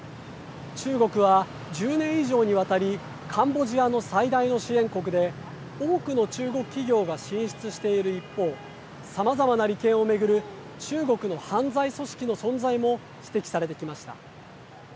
中国は１０年以上にわたりカンボジアの最大の支援国で多くの中国企業が進出している一方さまざまな利権を巡る中国の犯罪組織の存在も指摘されてきました。